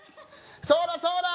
そうだそうだ